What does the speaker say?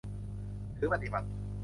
ถือปฏิบัติ